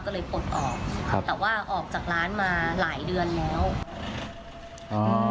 ก็เลยปลดออกครับแต่ว่าออกจากร้านมาหลายเดือนแล้วอืม